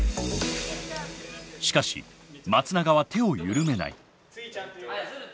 しかし松永は手を緩めない。